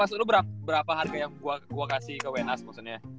maksud lu berapa harga yang gua kasih ke wainas maksudnya